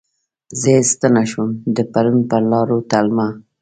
زه ستنه شوم د پرون پرلارو تلمه